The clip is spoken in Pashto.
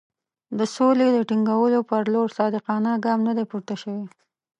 د سولې د ټینګولو پر لور صادقانه ګام نه دی پورته شوی.